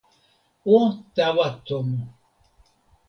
o tawa tomo.